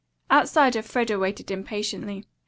Outside Elfreda waited impatiently.